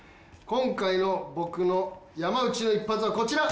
今回の僕の山内の一発はこちら！